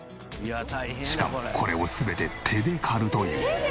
しかもこれを全て手で刈るという。